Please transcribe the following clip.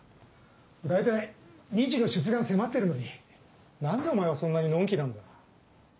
大体２次の出願迫ってるのに何でお前はそんなにのんきなんだ。